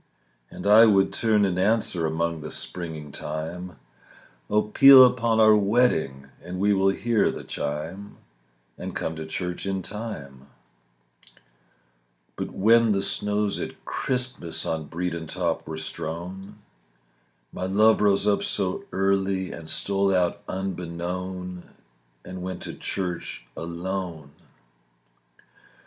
And I would turn and answer Among the springing thyme, "Oh, peal upon our wedding, And we will hear the chime, And come to church in time." But when the snows at Christmas On Bredon top were strown, My love rose up so early And stole out unbeknown And went to church alone.